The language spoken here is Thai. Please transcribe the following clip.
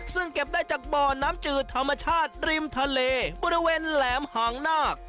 ซึ่งเก็บได้จากบ่อน้ำจืดธรรมชาติริมทะเลบริเวณแหลมหางนาค